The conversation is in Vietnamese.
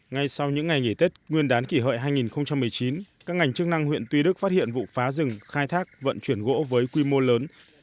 ngay sau những ngày nghỉ tết nguyên đán kỷ hợi hai nghìn một mươi chín các ngành chức năng huyện tuy đức phát hiện vụ phá rừng khai thác vận chuyển gỗ với quy mô lớn